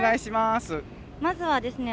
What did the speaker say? まずはですね